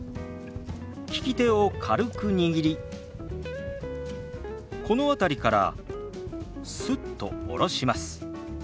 利き手を軽く握りこの辺りからスッと下ろします。